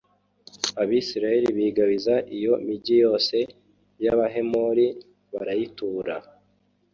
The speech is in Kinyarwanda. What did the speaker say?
abayisraheli bigabiza iyo migi yose y’abahemori, barayitura.